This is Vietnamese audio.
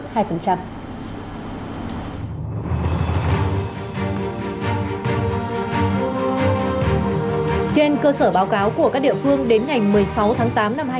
trên cơ sở báo cáo của các địa phương đến ngày một mươi sáu tháng sáu